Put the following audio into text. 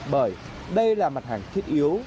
bởi đây là mặt hàng thiết yếu